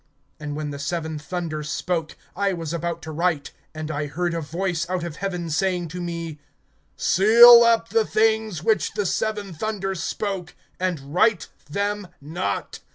(4)And when the seven thunders spoke, I was about to write; and I heard a voice out of heaven saying to me: Seal up the things which the seven thunders spoke, and write them not.